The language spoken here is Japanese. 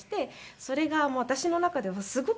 それが私の中ではすごく好きで。